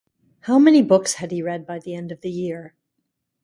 How many books had he read by the end of the year?